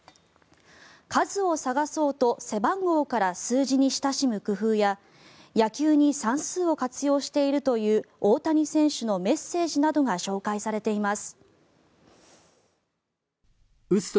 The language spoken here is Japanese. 「かずをさがそう」と背番号から数字に親しむ工夫や野球に算数を活用しているという大谷選手のメッセージなどが紹介されています。